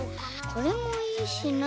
これもいいしな。